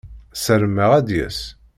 Sarmeɣ ad d-yas.